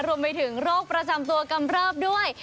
รวมไปถึงโรคประจำตัวกำเริบด้วย